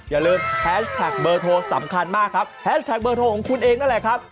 อย่าลืมสำคัญมากครับของคุณเองนั่นแหละครับ